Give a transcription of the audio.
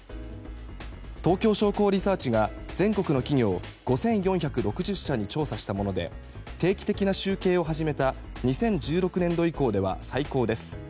東京商工リサーチが全国の企業５４６０社に調査したもので定期的な集計を始めた２０１６年度以降では最高です。